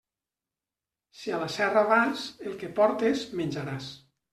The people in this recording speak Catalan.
Si a la serra vas, el que portes, menjaràs.